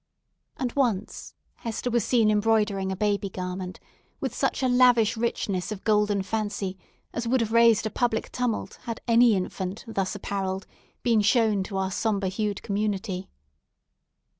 And once Hester was seen embroidering a baby garment with such a lavish richness of golden fancy as would have raised a public tumult had any infant thus apparelled, been shown to our sober hued community.